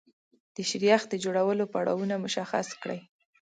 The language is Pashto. د شیریخ د جوړولو پړاوونه مشخص کړئ.